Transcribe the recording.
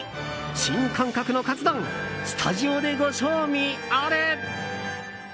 新感覚のカツ丼スタジオでご賞味あれ！